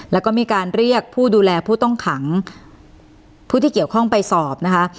แล้วก็มีการเรียกผู้ดูแลผู้ต้องขังผู้ที่เกี่ยวข้องไปสอบนะคะ